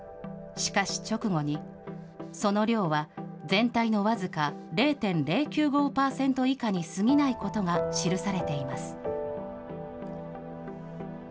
しかし直後に、その量は全体の僅か０．０９５％以下にすぎないことが記されています。